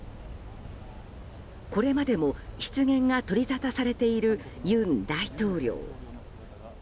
これまでも失言が取りざたされている尹大統領。